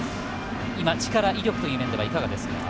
力、威力という面ではいかがですか。